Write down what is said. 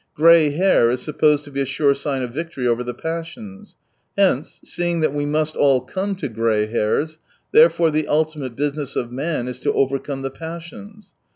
Grey hair is supposed to be a sure sign of victory over the passions. Hence, seeing that we must all come to grey hairs, therefore the ultimate business of man is to overcome the passions.